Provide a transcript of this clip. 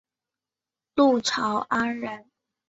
陆朝安人。